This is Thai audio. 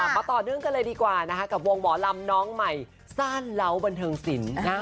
มาต่อเนื่องกันเลยดีกว่านะคะกับวงหมอลำน้องใหม่ซ่านเล้าบันเทิงศิลป์